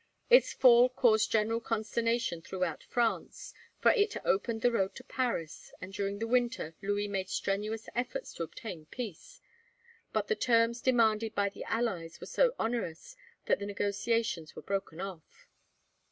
Its fall caused general consternation throughout France, for it opened the road to Paris, and during the winter Louis made strenuous efforts to obtain peace; but the terms demanded by the allies were so onerous that the negotiations were broken off.